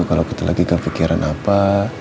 kalau kita lagi kepikiran apa